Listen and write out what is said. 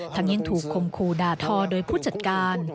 ทั้งยังถูกคงคูดาทอโดยผู้จัดการ